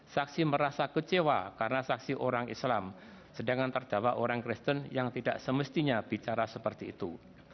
saksi merasa kecewa karena saksi orang islam sedangkan terdakwa orang kristen yang tidak semestinya bicara seperti itu